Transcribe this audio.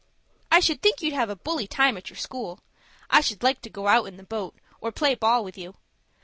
_ "I should think you'd have a bully time at your school. I should like to go out in the boat, or play ball with you.